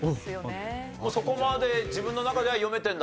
もうそこまで自分の中では読めてるんだ。